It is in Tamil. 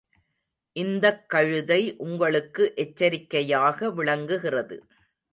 இந்தக் கழுதை உங்களுக்கு எச்சரிக்கையாக விளங்குகிறது.